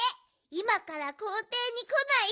いまからこうていにこない？